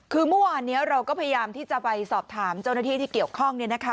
คือเมื่อวานนี้เราก็พยายามที่จะไปสอบถามเจ้าหน้าที่ที่เกี่ยวข้อง